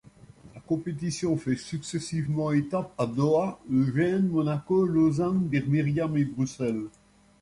La compétition fait successivement étape à Doha, Eugene, Monaco, Lausanne, Birmingham et Bruxelles.